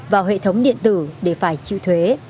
vào hệ thống điện tử để phải chịu thuế